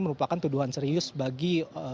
merupakan tuduhan serius bagi